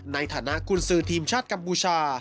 ในฐานะกุญสือทีมชาติกัมพูชา